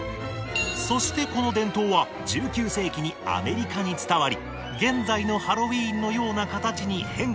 そしてこの伝統は１９世紀にアメリカに伝わり現在のハロウィーンのような形に変化していったのです。